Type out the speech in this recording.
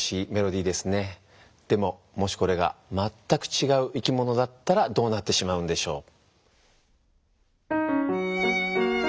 でももしこれがまったくちがう生き物だったらどうなってしまうんでしょう？